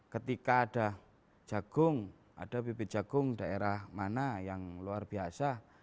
ketika ada jagung ada bibit jagung daerah mana yang luar biasa